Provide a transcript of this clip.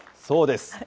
そうです。